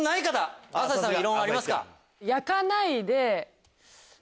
朝日さん異論ありますか？